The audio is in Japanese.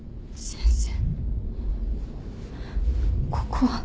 先生？